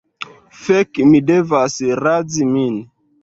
Fek' mi devas razi min